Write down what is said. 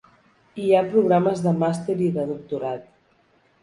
Hi ha programes de màster i de doctorat.